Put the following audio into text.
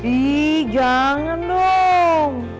ih jangan dong